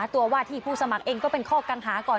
ตัวว่าที่ผู้สมัครเองก็เป็นข้อกังหาก่อน